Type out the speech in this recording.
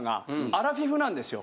アラフィフなんですよ。